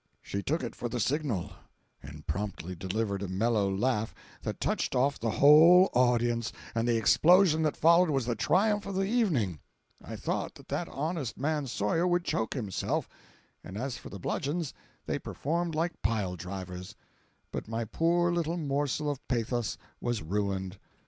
She took it for the signal, and promptly delivered a mellow laugh that touched off the whole audience; and the explosion that followed was the triumph of the evening. I thought that that honest man Sawyer would choke himself; and as for the bludgeons, they performed like pile drivers. But my poor little morsel of pathos was ruined.